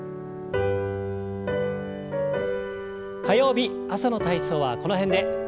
火曜日朝の体操はこの辺で。